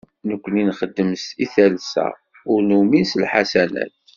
Nekni nxeddem i talsa, ur numin s lḥasanat.